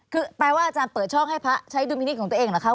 คือแปลว่าอาจารย์เปิดช่องให้พระใช้ดุลพินิษฐ์ของตัวเองเหรอคะ